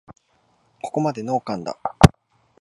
ここまでノーカンだ